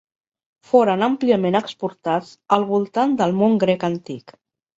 Foren àmpliament exportats al voltant del món grec antic.